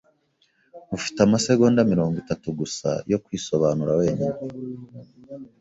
Ufite amasegonda mirongo itatu gusa yo kwisobanura wenyine.